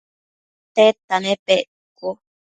tedta nepec?cucu